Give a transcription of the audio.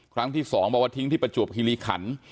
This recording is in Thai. ครั้งที่๒บอกว่าทิ้งที่ประจวบคิริขัน